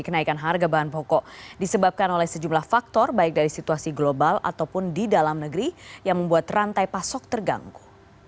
kenaikan harga bahan pokok disebabkan oleh sejumlah faktor baik dari situasi global ataupun di dalam negeri yang membuat rantai pasok terganggu